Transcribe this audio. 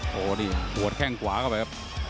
โหดิหัวแข้งขวาเข้าไปครับ